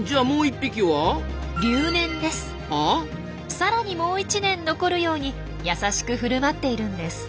さらにもう１年残るように優しく振る舞っているんです。